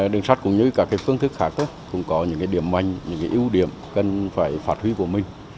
đường sắt cũng như các phương thức khác cũng có những điểm mạnh những ưu điểm cần phải phát huy của mình